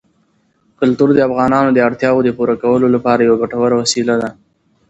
کلتور د افغانانو د اړتیاوو د پوره کولو لپاره یوه ګټوره وسیله ده.